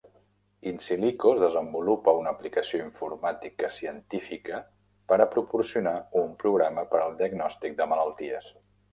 Insilicos desenvolupa una aplicació informàtica científica per a proporcionar un programa per al diagnòstic de malalties.